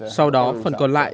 sau đó phần còn lại là bã cà phê